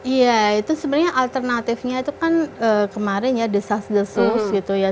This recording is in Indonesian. iya itu sebenarnya alternatifnya itu kan kemarin ya the sus the sus gitu ya